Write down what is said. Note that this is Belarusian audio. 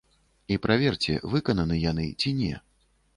І праверце, выкананы яны ці не.